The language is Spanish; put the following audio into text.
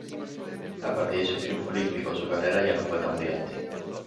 A partir de su triunfo olímpico su carrera ya no fue tan brillante.